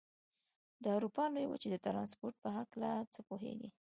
د اروپا لویې وچې د ترانسپورت په هلکه څه پوهېږئ؟